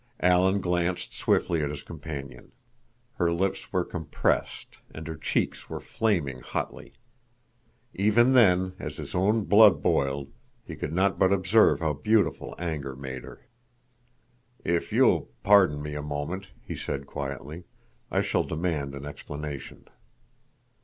Alan glanced swiftly at his companion. Her lips were compressed, and her cheeks were flaming hotly. Even then, as his own blood boiled, he could not but observe how beautiful anger made her. "If you will pardon me a moment," he said quietly, "I shall demand an explanation."